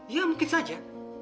ya mungkin saja